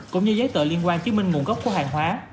cũng như giấy tờ liên quan chứng minh nguồn gốc của hàng hóa